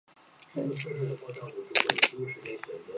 这个词汇主要使用于动物权利保护者的观点中。